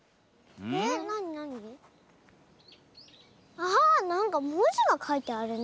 あっなんかもじがかいてあるね。